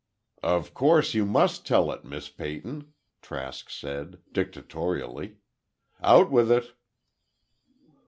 "Of course you must tell it, Miss Peyton," Trask said, dictatorially. "Out with it!"